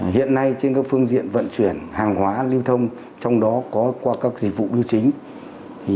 hiện nay trên các phương diện vận chuyển hàng hóa lưu thông trong đó có qua các dịch vụ biêu chính